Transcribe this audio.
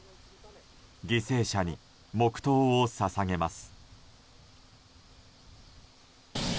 犠牲者に黙祷を捧げます。